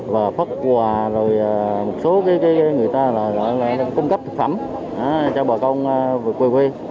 và phát quà rồi một số người ta cung cấp thực phẩm cho bà con về quê quê